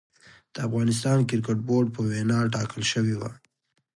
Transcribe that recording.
د افغانستان کريکټ بورډ په وينا ټاکل شوې وه